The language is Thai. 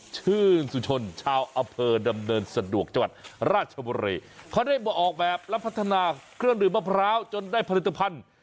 ชื่นสุชนชาวอำเภอดำเนินสะดวกจังหวัดราชบุรีเขาได้มาออกแบบและพัฒนาเครื่องดื่มมะพร้าวจนได้ผลิตภัณฑ์